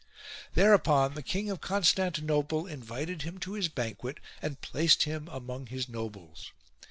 Thereupon the King of Constantinople invited him to his banquet and placed him among his nobles.